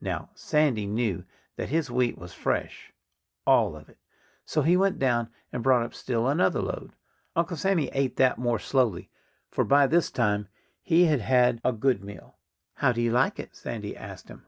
Now, Sandy knew that his wheat was fresh all of it. So he went down and brought up still another load. Uncle Sammy ate that more slowly, for by this time he had had a good meal. "How do you like it?" Sandy asked him.